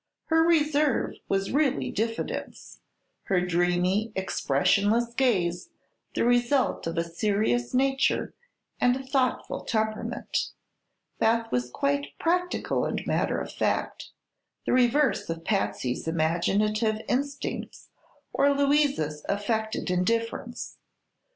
Her reserve was really diffidence; her dreamy, expressionless gaze the result of a serious nature and a thoughtful temperament. Beth was quite practical and matter of fact, the reverse of Patsy's imaginative instincts or Louise's affected indifference.